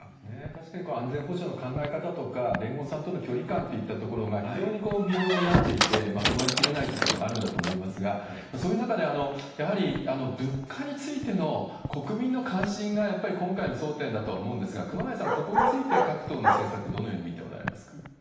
確かに安全保障の考え方とか、連合さんとの距離感っていったところが非常に微妙になっていて、まとまりきれないということがあるんだと思いますが、そういう中で、やはり物価についての国民の関心が、やっぱり今回の争点だと思うんですが、熊谷さん、ここについて、各党の政策、どのように見ておられますか？